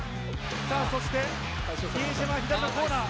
そして、比江島、左のコーナー。